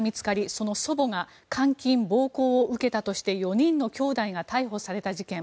その祖母が監禁・暴行を受けたとして４人のきょうだいが逮捕された事件。